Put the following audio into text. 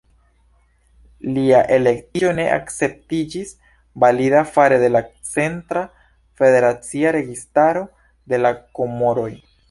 Lia elektiĝo ne akceptiĝis valida fare de la centra, federacia registaro de la Komoroj.